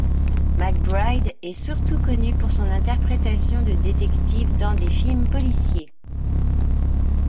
MacBride est surtout connu pour son interprétation de détectives dans des films policiers.